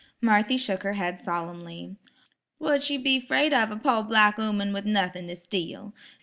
Marthy shook her head solemnly. "Wha'd she be 'fraid of a po' black 'ooman with nuthin' to steal?